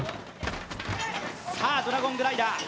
さあ、ドラゴングライダー。